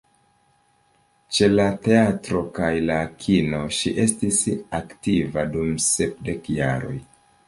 Ĉe la teatro kaj la kino, ŝi estis aktiva dum sepdek jaroj.